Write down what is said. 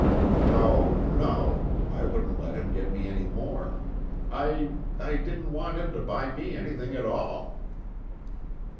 "No no. I wouldn't let him get me any more. I I didn't want him to buy me anything at all."